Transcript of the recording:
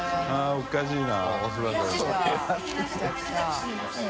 おかしいな。